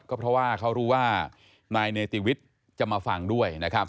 ก็เพราะว่าเขารู้ว่านายเนติวิทย์จะมาฟังด้วยนะครับ